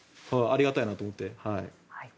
ありがたいなと思って。